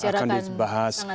oh iya akan dibahas